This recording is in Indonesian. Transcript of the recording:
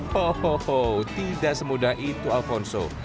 hohoho tidak semudah itu alfonso